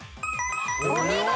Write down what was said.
お見事！